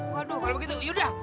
waduh kalau begitu yaudah